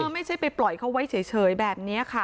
ไม่ใช่ไปปล่อยเขาไว้เฉยแบบนี้ค่ะ